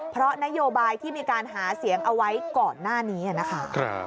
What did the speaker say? เพราะนโยบายที่มีการหาเสียงเอาไว้ก่อนหน้านี้นะคะ